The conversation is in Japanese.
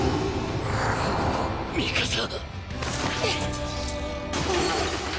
ミカサ！！